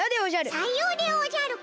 さようでおじゃるか。